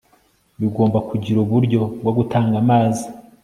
bigomba kugira uburyo bwo gutanga amazi